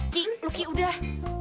ki lu ki udah